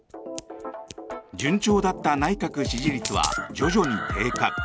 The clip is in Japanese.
順調だった内閣支持率は徐々に低下。